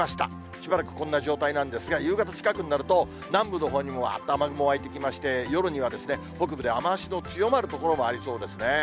しばらくこんな状態なんですが、夕方近くになると、南部のほうにも、わっと雨雲が湧いてきまして、夜には北部で雨足の強まる所がありそうですね。